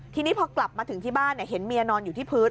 ทีนี้พอกลับมาถึงที่บ้านเห็นเมียนอนอยู่ที่พื้น